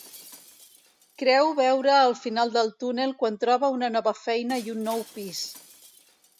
Creu veure el final del túnel quan troba una nova feina i un nou pis.